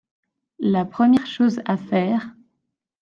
La première chose à faire…